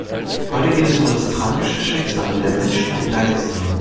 Heute geht es um das tragische Schicksal der Menschen in Dagestan.